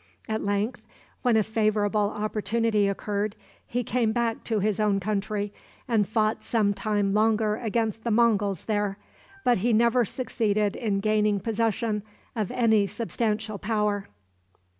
At length, when a favorable opportunity occurred, he came back to his own country, and fought some time longer against the Monguls there, but he never succeeded in gaining possession of any substantial power.